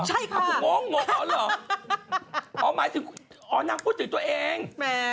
อ๋อหมายถึงนางพูดถึงตัวเอง